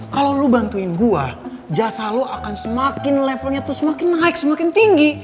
kalau lo bantuin gue jasa lo akan semakin levelnya tuh semakin naik semakin tinggi